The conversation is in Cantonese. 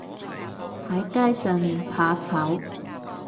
喺街上面怕醜